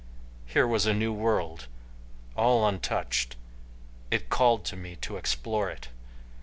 Here was a new world, all untouched. It called to me to explore it.